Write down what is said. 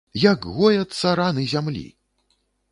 Як гояцца раны зямлі!